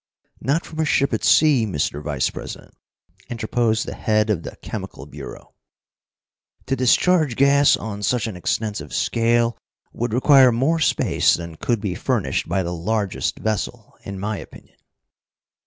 "Not from a ship at sea, Mr. Vice president," interposed the head of the Chemical Bureau. "To discharge gas on such an extensive scale would require more space than could be furnished by the largest vessel, in my opinion."